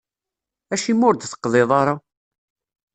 Acimi ur d-teqḍiḍ ara?